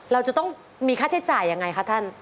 เราจะต้องมีค่าใช้จ่ายยังไงคะท่าน